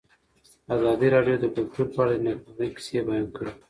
ازادي راډیو د کلتور په اړه د نېکمرغۍ کیسې بیان کړې.